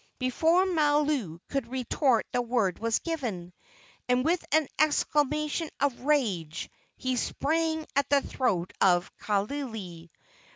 Before Mailou could retort the word was given, and with an exclamation of rage he sprang at the throat of Kaaialii.